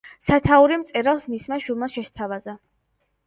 სათაური მწერალს მისმა შვილმა შესთავაზა.